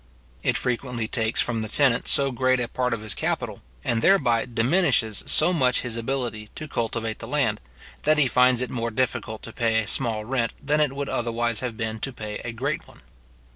It frequently takes from the tenant so great a part of his capital, and thereby diminishes so much his ability to cultivate the land, that he finds it more difficult to pay a small rent than it would otherwise have been to pay a great one.